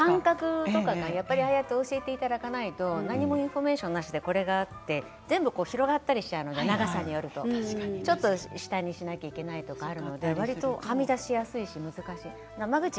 間隔とかがああやって教えていただかないと何もインフォメーションなしでこれがあって全部、広がっちゃったりするので長さによるとちょっと下にしなければいけないとかあるのでわりと、はみ出しやすいです。